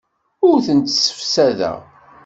Ur tent-ssefsadeɣ.